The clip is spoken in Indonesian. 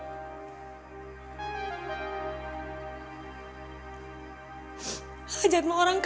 bapak mau masuk penjara bapak mau masuk penjara